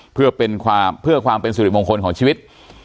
เพื่อความเป็นสุริมงคลของชีวิต